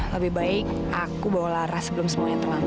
lebih baik aku bawa lara sebelum semuanya terlambat